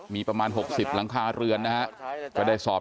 มีประมาณ๖๐หลังคาเรือนนะครับ